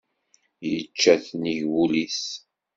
Yečča-t nnig wul-is.